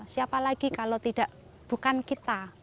siapa lagi kalau tidak bukan kita